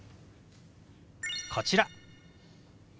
こちら。